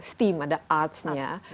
steam ada arts nya